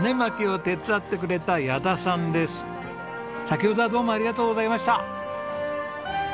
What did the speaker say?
先ほどはどうもありがとうございました。